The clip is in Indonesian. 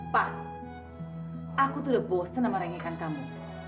pa aku tuh udah bosan sama renggikan kamu